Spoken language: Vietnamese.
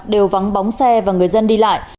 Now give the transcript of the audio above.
đều vắng bóng xe và người dân đi lại